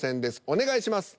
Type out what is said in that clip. お願いします。